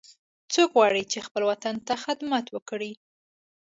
څوک غواړي چې خپل وطن ته خدمت وکړي